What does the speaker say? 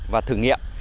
và thử nghiệm